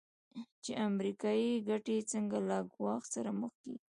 چې امریکایي ګټې څنګه له ګواښ سره مخ کېږي.